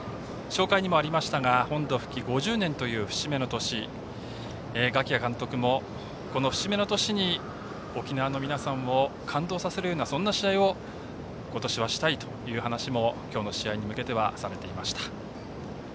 紹介にもありましたが本土復帰５０年という節目の年、我喜屋監督もこの節目の年に、沖縄の皆さんを感動させるようなそんな試合を今年もしたいと今日の試合に向けては話していました。